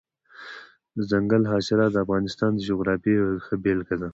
دځنګل حاصلات د افغانستان د جغرافیې یوه ښه بېلګه ده.